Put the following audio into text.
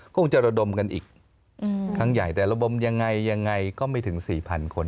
คงจะระดมกันอีกครั้งใหญ่แต่ระดมยังไงยังไงก็ไม่ถึง๔๐๐คน